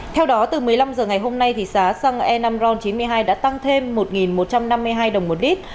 theo đó từ một mươi năm h ngày hôm nay giá xăng e năm ron chín mươi hai đã tăng thêm một một trăm năm mươi hai đồng một lít